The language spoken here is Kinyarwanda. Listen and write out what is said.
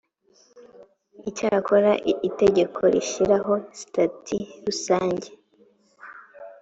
icyakora itegeko rishyiraho sitati rusange